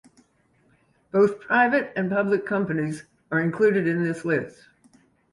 Both private and public companies are included in this list.